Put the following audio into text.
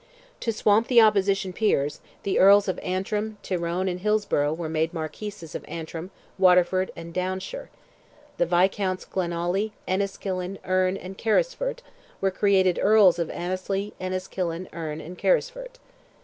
To swamp the opposition peers, the Earls of Antrim, Tyrone, and Hillsborough were made Marquises of Antrim, Waterford, and Downshire; the Viscounts Glenawley, Enniskillen, Erne, and Carysfort, were created Earls of Annesley, Enniskillen, Erne, and Carysfort.